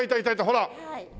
ほら。